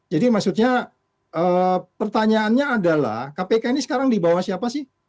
jadi maksudnya pertanyaannya adalah kpk ini sekarang dibawah siapa sih